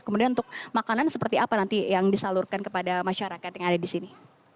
kemudian untuk makanan seperti apa nanti yang disalurkan kepada masyarakat yang ada di sini